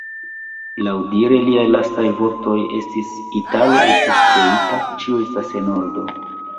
Laŭdire liaj lastaj vortoj estis "Italio estis kreita, ĉio estas en ordo.